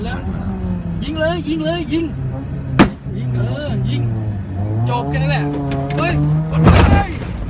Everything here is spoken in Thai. ไอ้เหี้ยงอีกอย่างเลยสุดท้ายเลย